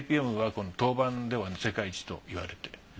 ＫＰＭはこの陶板では世界一といわれてる。